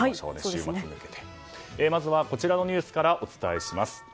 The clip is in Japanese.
まずはこちらのニュースからお伝えします。